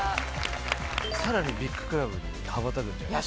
さらにビッグクラブに羽ばたくんじゃないか。